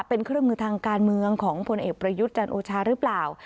เป็นเครื่องมือทางการเมืองของพลเอกประยุทธ์จันทร์โอชาหรือเปล่า